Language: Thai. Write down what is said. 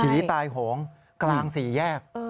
หนีตายโหงกลางสี่แยก